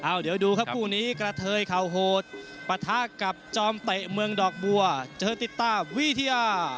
เดี๋ยวดูครับคู่นี้กระเทยเข่าโหดปะทะกับจอมเตะเมืองดอกบัวเจอติดตามวิทยา